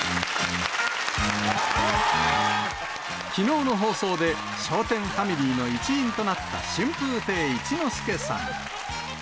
きのうの放送で笑点ファミリーの一員となった春風亭一之輔さん。